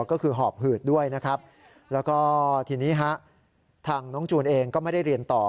ก็คือหอบหืดด้วยนะครับแล้วก็ทีนี้ฮะทางน้องจูนเองก็ไม่ได้เรียนต่อ